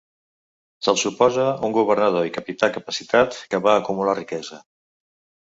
Se'l suposa un governador i capità capacitat que va acumular riquesa.